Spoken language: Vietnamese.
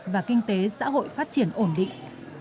và kinh tế xã hội phát triển ổn định